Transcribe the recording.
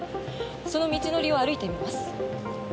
その道のりを歩いてみます。